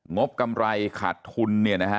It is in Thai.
งบกำไรขาดทุน